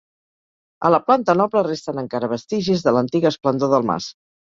A la planta noble resten encara vestigis de l'antiga esplendor del mas.